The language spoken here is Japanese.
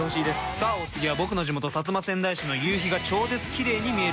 さあお次は僕の地元薩摩川内市の夕日が超絶キレイに見える海。